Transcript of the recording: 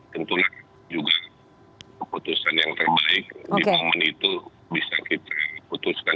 tentulah juga keputusan yang terbaik di momen itu bisa kita putuskan